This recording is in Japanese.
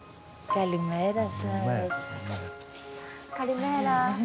カリメーラ。